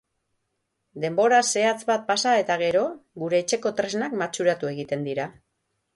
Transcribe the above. Denbora zehatz bat pasa eta gero, gure etxeko tresnak matxuratu egiten dira.